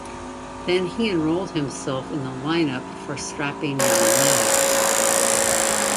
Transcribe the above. Then he enrolled himself in the lineup for Strapping Young Lad.